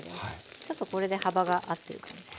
ちょっとこれで幅が合ってる感じですかね。